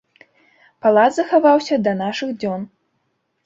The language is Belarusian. Палац захаваўся да нашых дзён.